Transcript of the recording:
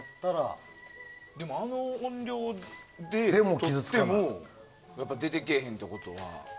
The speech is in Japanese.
あの音量で録っても出てけえへんってことは。